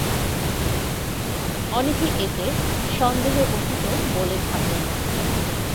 অনেকে একে "সন্দেহ অতীত"ও বলে থাকেন।